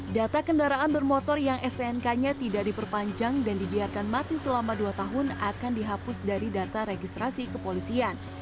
data kendaraan bermotor yang stnk nya tidak diperpanjang dan dibiarkan mati selama dua tahun akan dihapus dari data registrasi kepolisian